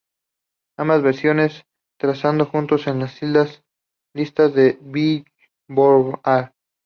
Ambas versiones trazado juntos en las listas de Billboard.